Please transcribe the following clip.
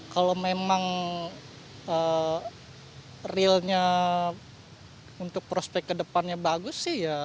kalau memang realnya untuk prospek ke depannya bagus sih ya